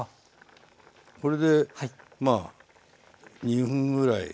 これでまあ２分ぐらい。